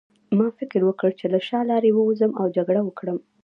ما فکر وکړ چې له شا لارې ووځم او جګړه وکړم